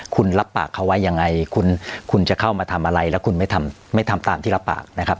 คุณรับปากเขาไว้ยังไงคุณจะเข้ามาทำอะไรแล้วคุณไม่ทำตามที่รับปากนะครับ